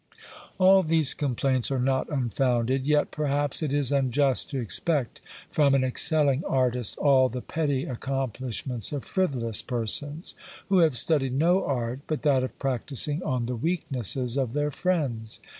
All these complaints are not unfounded; yet, perhaps, it is unjust to expect from an excelling artist all the petty accomplishments of frivolous persons, who have studied no art but that of practising on the weaknesses of their friends.